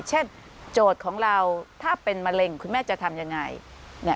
โจทย์ของเราถ้าเป็นมะเร็งคุณแม่จะทำยังไง